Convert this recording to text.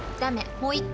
もう一回。